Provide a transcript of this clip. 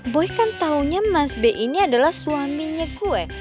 boy kan tahunya mas b ini adalah suaminya gue